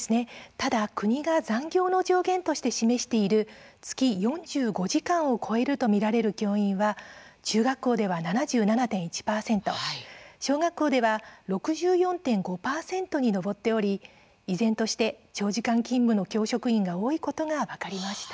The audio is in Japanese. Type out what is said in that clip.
ただ国が残業の上限として示している月４５時間を超えると見られる教員は中学校では７７．１％小学校では６４．５％に上っており依然として長時間勤務の教職員が多いことが分かりました。